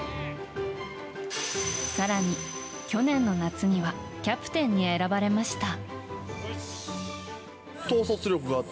更に、去年の夏にはキャプテンに選ばれました。